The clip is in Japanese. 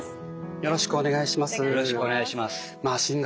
よろしくお願いします。